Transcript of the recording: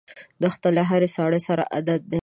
دښته له هرې ساړه سره عادت ده.